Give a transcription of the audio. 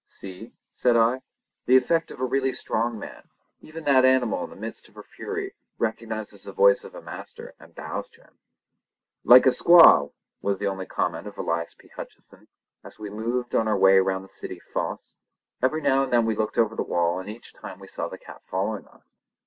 "See!" said I, "the effect of a really strong man. Even that animal in the midst of her fury recognises the voice of a master, and bows to him!" "Like a squaw!" was the only comment of Elias P. Hutcheson, as we moved on our way round the city fosse. Every now and then we looked over the wall and each time saw the cat following us.